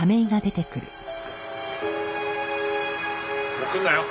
もう来るなよ。